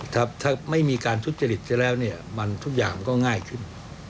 ถ้าไม่มีการทุจริตซะแล้วเนี่ยมันทุกอย่างมันก็ง่ายขึ้น